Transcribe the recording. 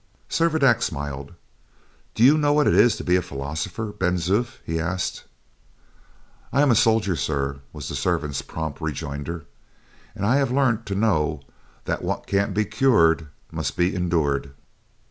Servadac smiled. "Do you know what it is to be a philosopher, Ben Zoof?" he asked. "I am a soldier, sir," was the servant's prompt rejoinder, "and I have learnt to know that 'what can't be cured must be endured.